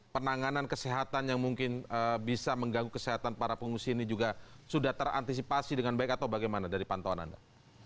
penanganan kesehatan yang mungkin bisa mengganggu kesehatan para pengungsi ini juga sudah terantisipasi dengan baik atau bagaimana dari pantauan anda